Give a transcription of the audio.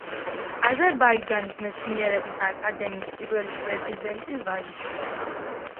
აზერბაიჯანის მეცნიერებათა აკადემიის პირველი პრეზიდენტის ვაჟიშვილი.